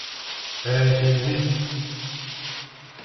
Elle a été aimée.